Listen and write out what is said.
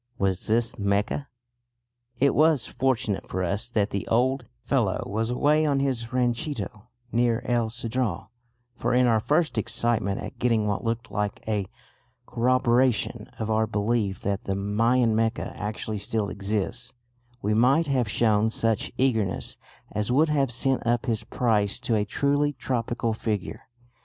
Was this Mecca? It was fortunate for us that the old fellow was away on his ranchito near El Cedral, for in our first excitement at getting what looked like a corroboration of our belief that the Mayan Mecca actually still exists, we might have shown such eagerness as would have sent up his price to a truly tropical figure.